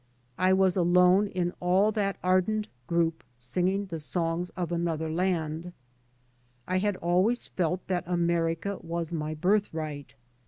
I was alone in all that ardent group singing the songs of another htnd. I had always felt that Amer ica was my birthright.